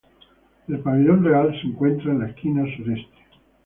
El Pabellón Real se encuentra en la esquina sureste.